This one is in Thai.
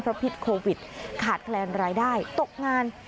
เพราะพิษโควิดขาดแคลนรายได้ตกงาน